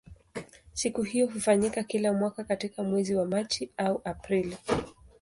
Siku hiyo hufanyika kila mwaka katika mwezi wa Machi au Aprili.